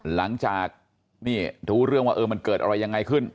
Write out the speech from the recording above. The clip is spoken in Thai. หลังจากนี่รู้เรื่องว่ามันเกิดอะไรยังไงขึ้น